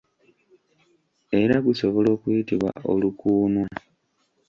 Era gusobola okuyitibwa olukuunwa.